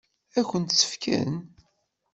Ad kent-tt-fken?